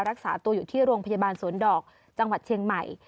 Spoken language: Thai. รักษาตัวอยู่ที่โรงพยาบาลสวนดอกจังหวัดเชียงใหม่